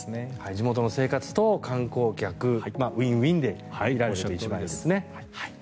地元の生活と観光客ウィンウィンでというのが一番いいですね。